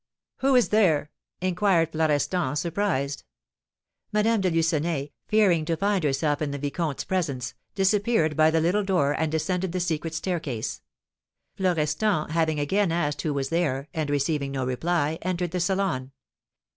"Who is there?" inquired Florestan, surprised. Madame de Lucenay, fearing to find herself in the vicomte's presence, disappeared by the little door, and descended the secret staircase. Florestan having again asked who was there, and receiving no reply, entered the salon.